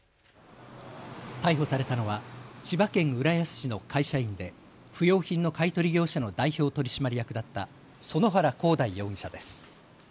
逮捕されたのは千葉県浦安市の会社員で不用品の買い取り業者の代表取締役だった園原広大容疑者です。